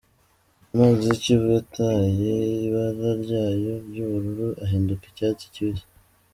Amazi y’Ikivu yataye ibara ryayo ry’ubururu ahinduka icyatsi kibisi.